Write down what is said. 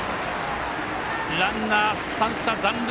ランナー、３者残塁。